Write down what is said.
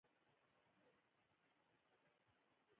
په افغانستان کې د وګړي په اړه پوره زده کړه کېږي.